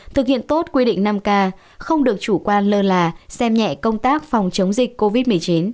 thực hiện tốt quy định năm k không được chủ quan lơ là xem nhẹ công tác phòng chống dịch covid một mươi chín